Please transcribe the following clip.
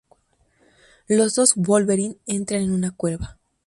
Los dos Wolverine entran en una cueva.